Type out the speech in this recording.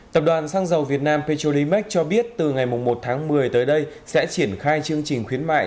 tập đoàn xăng dầu việt nam petrolimax cho biết từ ngày một tháng một mươi tới đây sẽ triển khai chương trình khuyến mại